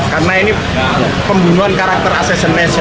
karena ini pembunuhan karakter asesin nation